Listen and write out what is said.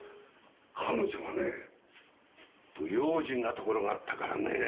彼女はね不用心なところがあったからね。